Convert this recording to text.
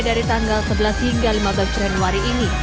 dari tanggal sebelas hingga lima belas januari ini